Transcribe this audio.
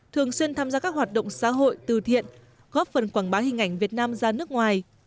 thường xuyên tham gia các hoạt động xã hội từ thiện góp phần quảng bá hình ảnh việt nam ra nước ngoài